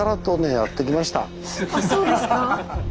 あっそうですか。